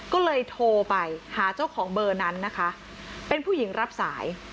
ก็เลยโทรไปหาเจ้าของเบอร์นั้นนะคะเป็นผู้หญิงรับสาย